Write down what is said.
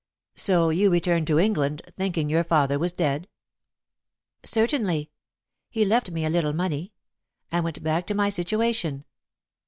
"So you returned to England, thinking your father was dead?" "Certainly. He left me a little money. I went back to my situation.